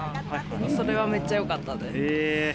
それは、めっちゃよかったです。